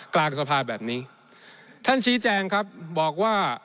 กลางสภาแบบนี้ท่านชี้แจงครับบอกว่า